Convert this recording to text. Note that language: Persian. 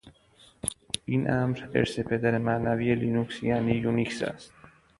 این امر، ارث پدر معنوی لینوکس یعنی یونیکس است.